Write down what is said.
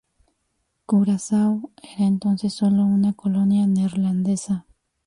Curazao era entonces solo una colonia neerlandesa.